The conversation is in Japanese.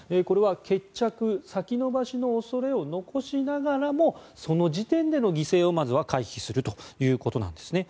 これは決着先延ばしの恐れを残しながらもその時点での犠牲をまずは回避するということです。